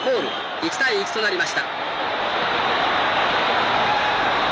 １対１となりました。